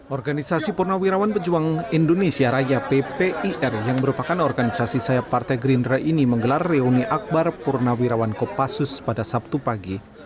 organisasi purnawirawan pejuang indonesia raya ppir yang merupakan organisasi sayap partai gerindra ini menggelar reuni akbar purnawirawan kopassus pada sabtu pagi